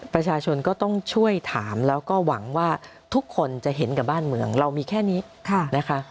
ประชาชนก็ต้องช่วยถามแล้วก็หวังว่าทุกคนจะเห็นกับบ้านเมืองเรามีแค่นี้นะคะ